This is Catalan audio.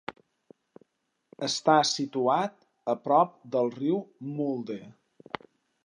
Està situat a prop del riu Mulde.